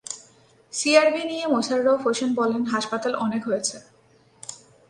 CRB নিয়ে মোশাররফ হোসেন বলেন, হাসপাতাল অনেক হয়েছে।